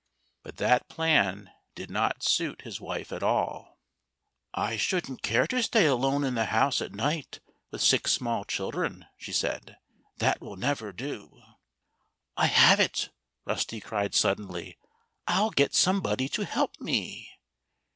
But that plan did not suit his wife at all. "I shouldn't care to stay alone in the house at night with six small children," she said. "That will never do." "I have it!" Rusty cried suddenly. "I'll get somebody to help me!"